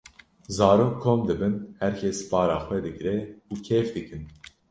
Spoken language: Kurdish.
zarok kom dibin herkes para xwe digre û kêf dikin.